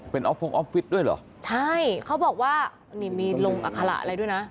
เป็นออฟฟงออฟฟิศด้วยเหรอใช่เขาบอกว่านี่มีลงอัคระอะไรด้วยนะ